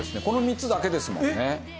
この３つだけですもんね。